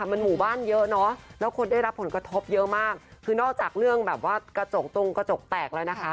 มันหมู่บ้านเยอะเนอะแล้วคนได้รับผลกระทบเยอะมากคือนอกจากเรื่องแบบว่ากระจกตรงกระจกแตกแล้วนะคะ